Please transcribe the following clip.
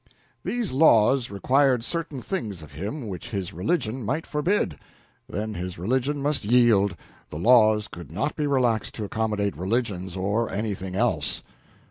These laws required certain things of him which his religion might forbid: then his religion must yield the laws could not be relaxed to accommodate religions or anything else.